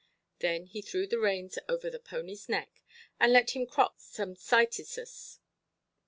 Then he threw the reins over the ponyʼs neck, and let him crop some cytisus.